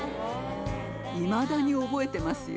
いまだに覚えてますよ。